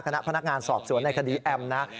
คณะพนักงานสอบสวนในคดีแอมนะ